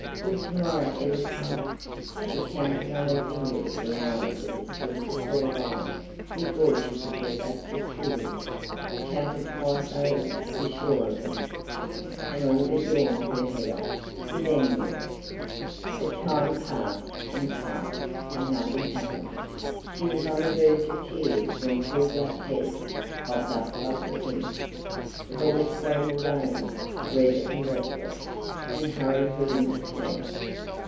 Would to morrow ever come? She counted on her fingers the hours that had still to crawl by before she could get back to school counted twice over to be sure of them and all but yawned her head off, with ennui. But time passed, and passed, and nothing happened. She was on the verge of tears, when two black heads bobbed up above the fence, the boys scrambled over, red and breathless, and hurried her into tea.